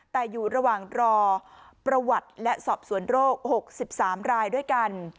แต่อยู่ระหว่างรอประวัติและสอบสวนโรค๖๓รายด้วยกัน